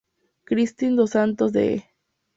Kristin dos Santos de E!